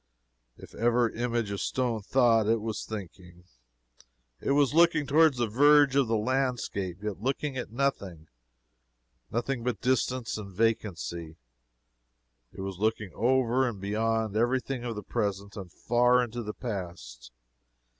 If ever image of stone thought, it was thinking. It was looking toward the verge of the landscape, yet looking at nothing nothing but distance and vacancy. It was looking over and beyond every thing of the present, and far into the past.